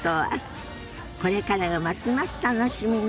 これからがますます楽しみね。